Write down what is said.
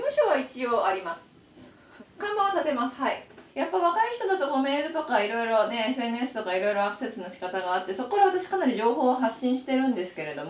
やっぱ若い人だとメールとかいろいろねＳＮＳとかいろいろアクセスのしかたがあってそこから私かなり情報は発信してるんですけれども。